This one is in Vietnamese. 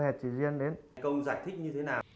hẹn chị duyên đến